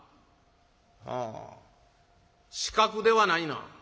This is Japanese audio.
「ああ刺客ではないな。